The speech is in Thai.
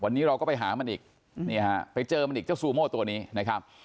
วันนี้เราก็ไปหามันอีกนี่ฮะไปเจอมันอีกเจ้าซูโม่ตัวนี้นะครับ